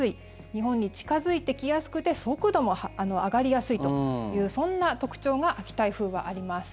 日本に近付いてきやすくて速度も上がりやすいというそんな特徴が秋台風はあります。